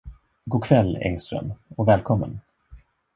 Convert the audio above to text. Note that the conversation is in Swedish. Gokväll, Engström, och välkommen.